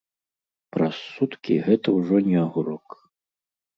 Праз суткі гэта ўжо не агурок.